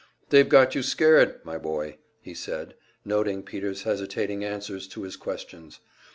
"They've got you scared, my boy," he said, noting Peter's hesitating answers to his questions.